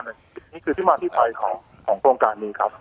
อันนี้คือที่มาที่ไปของโครงการนี้ครับ